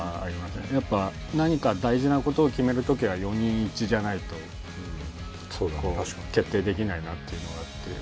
やっぱ何か大事な事を決める時は４人一致じゃないと決定できないなっていうのがあって。